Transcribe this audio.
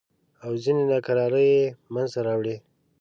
او ځینې ناکرارۍ یې منځته راوړې.